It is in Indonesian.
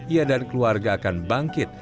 ia dan keluarga akan bangkit